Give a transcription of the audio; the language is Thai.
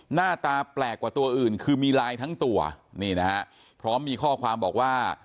หน้าตาแปลกกว่าตัวอื่นคือมีลายทั้งตัวนี่นะฮะพร้อมมีข้อความบอกว่า